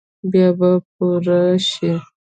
بیا به پوره شي ؟